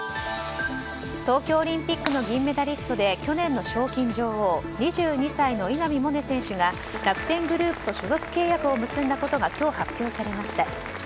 東京オリンピックの銀メダリストで去年の賞金女王２２歳の稲見萌寧選手が楽天グループと所属契約を結んだことが今日、発表されました。